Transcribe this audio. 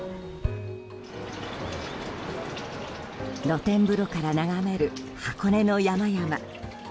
露天風呂から眺める箱根の山々。